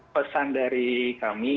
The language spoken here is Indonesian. pesan dari kami